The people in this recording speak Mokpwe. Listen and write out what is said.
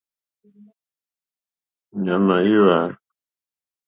Ɲàmà í hwǎ.